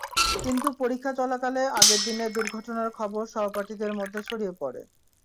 কিন্তু পরীক্ষা চলাকালে আগের দিনের দুর্ঘটনার খবর সহপাঠীদের মধ্যে ছড়িয়ে পড়ে।